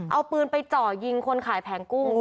เอาปืนไปเจาะยิงคนขายแผงกุ้ง